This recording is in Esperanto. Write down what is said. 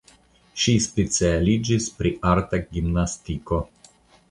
Ŝi specialiĝis pri arta gimnastiko.